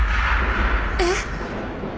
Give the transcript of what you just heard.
えっ！？